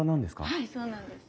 はいそうなんです。